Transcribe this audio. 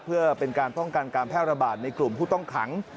เพื่อเป็นการป้องกันการแพร่ระบาดในกลุ่มผู้ต้องขัง